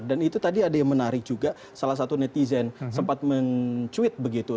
dan itu tadi ada yang menarik juga salah satu netizen sempat men tweet begitu